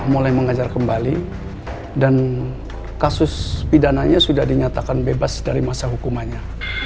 mulai mengajar kembali dan kasus pidananya sudah dinyatakan bebas dari masa hukumannya